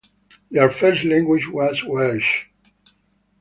Their first language was Welsh.